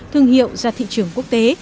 thương hiệu ra thị trường quốc tế